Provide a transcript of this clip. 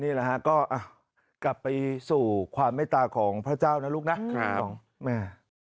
นี่แหละฮะก็กลับไปสู่ความเมตตาของพระเจ้านะลูกนะของแม่